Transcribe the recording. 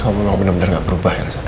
kamu mau bener bener gak berubah ya elsa